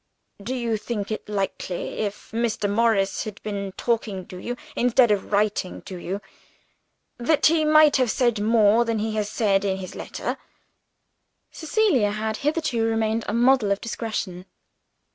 "Do you think it likely if Mr. Morris had been talking to you instead of writing to you that he might have said more than he has said in his letter?" Cecilia had hitherto remained a model of discretion.